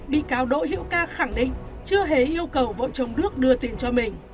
bị cáo đội hiệu ca khẳng định chưa hề yêu cầu vợ chồng đức đưa tiền cho mình